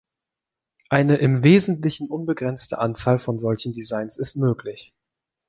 Eine im Wesentlichen unbegrenzte Anzahl von solchen Designs ist möglich.